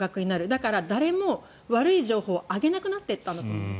だから誰も悪い情報を上げなくなっていったんだと思います。